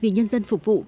nhân dân phục vụ